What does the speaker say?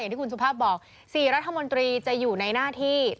ที่คุณสุภาพบอก๔รัฐมนตรีจะอยู่ในหน้าที่